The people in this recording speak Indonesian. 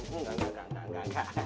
enggak enggak enggak